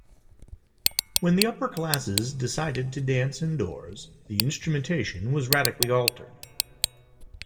When the upper classes decided to dance indoors, the instrumentation was radically altered.